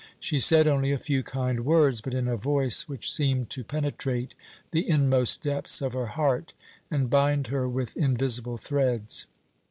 She said only a few kind words, but in a voice which seemed to penetrate the inmost depths of her heart and bind her with invisible threads.